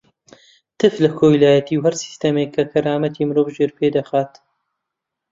تف لە کۆیلایەتی و هەر سیستەمێک کە کەرامەتی مرۆڤ ژێرپێ دەخات.